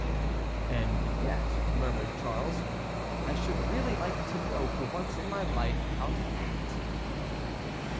"And yet," murmured Charles, "I should really like to know for once in my life how to act."